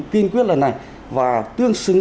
tin quyết lần này và tương xứng